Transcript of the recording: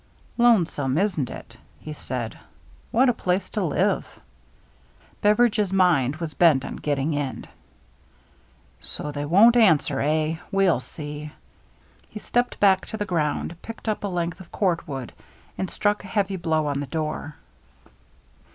" Lonesome, isn't it ?'' he said. "What a place to live!" Bevcridge's mind was bent on getting in. "So they won't answer, eh? We'll see." He stepped back to the ground, picked up a length of cord wood, and struck a heavy blow on the door.